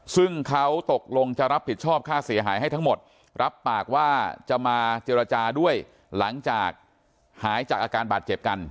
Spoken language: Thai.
ซึ่งเขาตกลงจะรับผิดชอบค่าเสียหายให้ทั้งหมดรับปากว่าจะมาเจรจาด้วยหลังจากหายจากอาการบาดเจ็บกัน